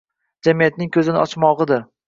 jamiyatning ko‘zini ochmog‘idir.